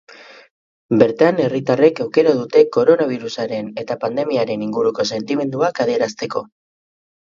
Bertan herritarrek aukera dute koronabirusaren eta pandemiaren inguruko sentimenduak adierazteko.